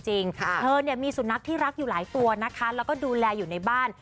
เธอเนี่ยมีสุนัขที่รักอยู่หลายตัวนะคะแล้วก็ดูแลอยู่ในบ้าน